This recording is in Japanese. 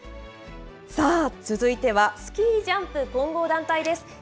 さあ、続いてはスキージャンプ混合団体です。